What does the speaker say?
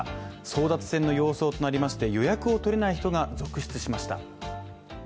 争奪戦の様相となりまして予約を取れない人が続出しました。